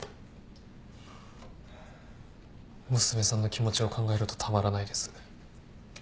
娘さんの気持ちを考えるとたまらないです。